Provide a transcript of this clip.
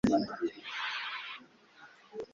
Arahamagara Nta muntu n'umwe Kandi ikirego cye cyacogoye